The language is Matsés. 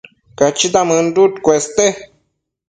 Cachita mënduc cueste